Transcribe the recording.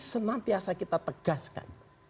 senantiasa kita tegaskan